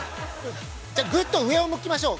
じゃあ、ぐっと上を向きましょう。